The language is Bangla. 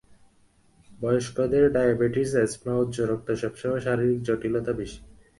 বয়স্কদের ডায়াবেটিস, অ্যাজমা, উচ্চ রক্তচাপসহ শারীরিক জটিলতা বেশি।